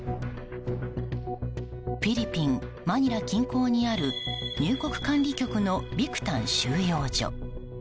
フィリピン・マニラ近郊にある入国管理局のビクタン収容所。